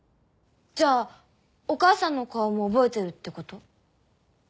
じゃあお母さんの顔も覚えてるってこと？